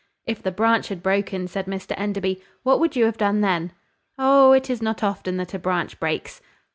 "If the branch had broken," said Mr Enderby, "what would you have done then?" "Oh, it is not often that a branch breaks."